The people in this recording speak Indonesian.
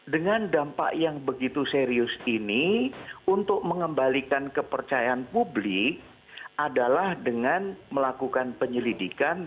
dengan dampak yang begitu serius ini untuk mengembalikan kepercayaan publik adalah dengan melakukan penyelidikan